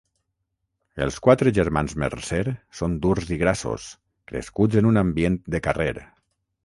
Els quatre germans Mercer són durs i grassos, crescuts en un ambient de carrer.